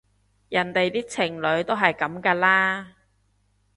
人哋啲情侶都係噉㗎啦